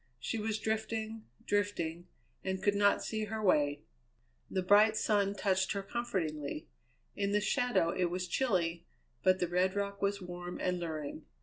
She was drifting, drifting, and could not see her way. The bright sun touched her comfortingly. In the shadow it was chilly; but the red rock was warm and luring.